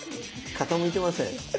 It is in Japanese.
傾いてません？